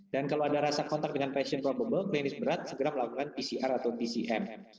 dan kalau ada rasa kontak dengan patient probable klinis berat segera melakukan pcr atau tcm